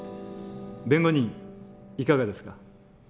弁護人いかがですか？